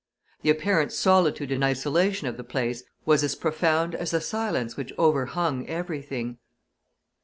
The apparent solitude and isolation of the place was as profound as the silence which overhung everything.